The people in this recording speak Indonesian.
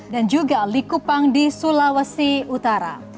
dan juga likupang di sulawesi utara